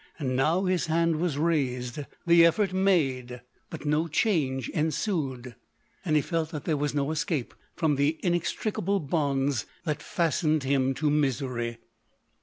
And now his hand was raised — the effort made ; LODORE. 163 but no change ensued ; and he felt that there was no escape from the inextricable bonds that fastened him to misery.